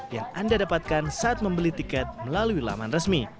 yang anda dapatkan saat membeli tiket melalui laman resmi